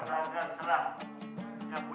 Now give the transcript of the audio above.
jangan terang jangan punya napalm